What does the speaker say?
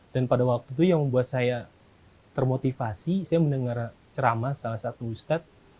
dan pada waktu itu yang membuat saya termotivasi saya mendengar ceramah salah satu ustadz